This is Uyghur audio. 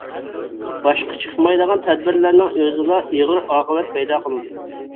باشقا چىقمايدىغان تەدبىرلەرنىڭ ئۆزىلا ئېغىر ئاقىۋەت پەيدا قىلىدۇ.